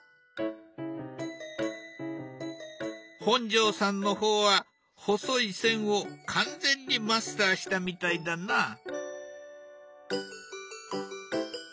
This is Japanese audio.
本上さんの方は細い線を完全にマスターしたみたいだな。